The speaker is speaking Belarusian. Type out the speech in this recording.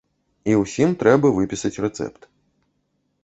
І ўсім трэба выпісаць рэцэпт.